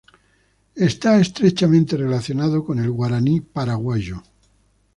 Está estrechamente relacionado con el guaraní paraguayo.